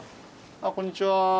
あっこんにちは。